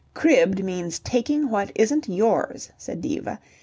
"Cribbed means taking what isn't yours," said Diva.